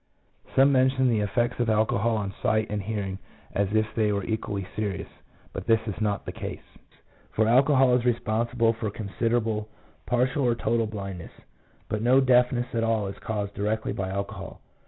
Some mention the effects of alcohol on sight and hearing as if they were equally serious, 2 but this is not the case; for alcohol is responsible for considerable partial or total blindness, but no deafness at all is caused directly by alcohol.